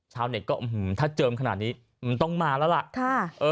ชาวเน็กก็อื้อหือถ้าเจอขนาดนี้อื้อต้องมาแล้วล่ะ